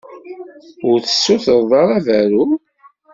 Ur tessutred ara berru?